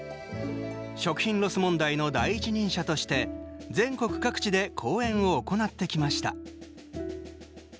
食品ロス問題の第一人者として全国各地で講演を行ってきました。